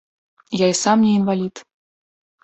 Я і сам не інвалід.